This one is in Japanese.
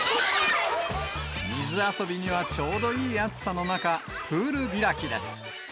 水遊びにはちょうどいい暑さの中、プール開きです。